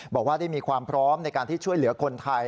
บอกว่าได้มีความพร้อมในการที่ช่วยเหลือคนไทย